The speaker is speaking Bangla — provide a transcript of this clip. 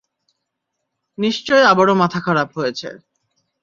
নিশ্চয়ই আবারও মাথা খারাপ হয়েছে!